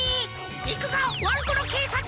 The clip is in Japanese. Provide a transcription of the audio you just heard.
いくぞワンコロけいさつ！